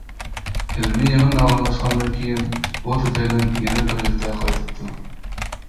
ئىلمىي يىغىن ئاخىرلاشقاندىن كېيىن، بۇ تۆتەيلەن يەنە بىرلىكتە قايتىپتۇ.